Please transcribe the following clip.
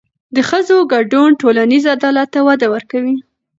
د ښځو ګډون ټولنیز عدالت ته وده ورکوي.